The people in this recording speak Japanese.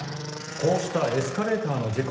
こうしたエスカレーターの事故。